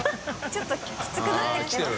ちょっときつくなってきてません？